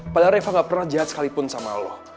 padahal riva gak pernah jahat sekalipun sama lo